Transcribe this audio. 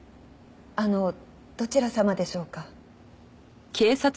あのどちら様でしょうか？